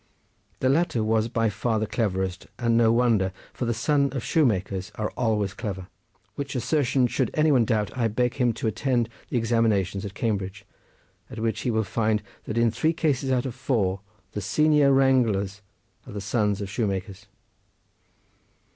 The latter was by far the cleverest, and no wonder, for the sons of shoemakers are always clever, which assertion, should anybody doubt, I beg him to attend the examinations at Cambridge, at which he will find that in three cases out of four the senior wranglers are the sons of shoemakers.